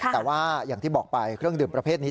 แต่ว่าอย่างที่บอกไปเครื่องดื่มประเภทนี้